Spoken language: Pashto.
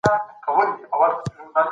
هغه په کمپيوټر کي انټرنېټ ګوري.